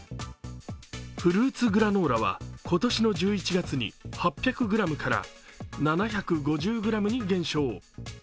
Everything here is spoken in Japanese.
フルーツグラノーラは今年の１１月に８００ｇから７５０ｇに減少。